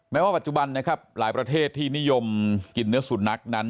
ว่าปัจจุบันนะครับหลายประเทศที่นิยมกินเนื้อสุนัขนั้น